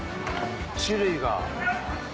種類が。